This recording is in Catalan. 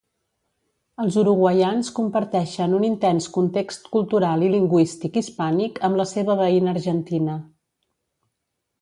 Els uruguaians comparteixen un intens context cultural i lingüístic hispànic amb la seva veïna Argentina.